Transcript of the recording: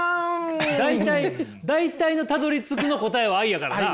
大体大体のたどりつくの答えは愛やからな！